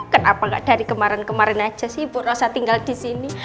kenapa gak dari kemarin kemarin aja sih bu rosa tinggal di sini